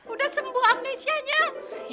udah sembuh amnesianya